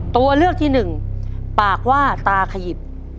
ตัวเลือกที่หนึ่งปากว่าตาขยิบ